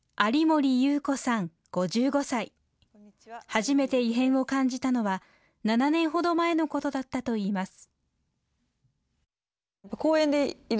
初めて異変を感じたのは７年ほど前のことだったといいます。